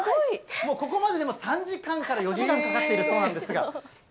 もうここまでで３時間から４時間かかっているそうなんですが。